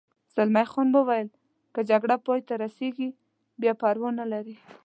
زلمی خان وویل: که جګړه پای ته ورسېږي بیا پروا نه لري.